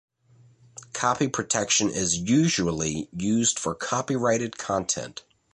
Copy protection is usually used for copyrighted content.